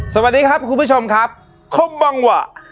สวัสดีครับคุณผู้ชมครับคมบังหวะ